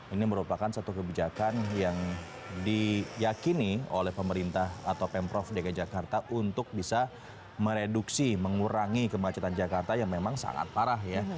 ini merupakan satu kebijakan yang diyakini oleh pemerintah atau pemprov dki jakarta untuk bisa mereduksi mengurangi kemacetan jakarta yang memang sangat parah ya